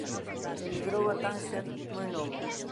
Emigrou a Tánxer moi novo.